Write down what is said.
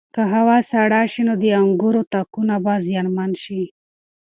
که هوا سړه شي نو د انګورو تاکونه به زیانمن شي.